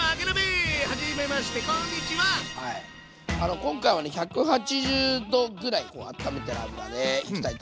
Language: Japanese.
今回はね１８０℃ぐらいあっためた油でいきたいと思います。